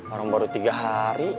orang baru tiga hari